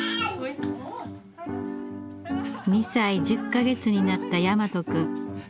２歳１０か月になった大和くん。